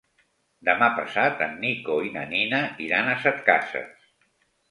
Demà passat en Nico i na Nina iran a Setcases.